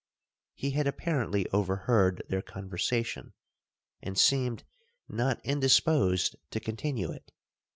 He had apparently overheard their conversation, and seemed not indisposed to continue it.